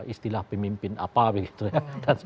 istilah pemimpin apa begitu ya